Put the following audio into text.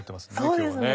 今日はね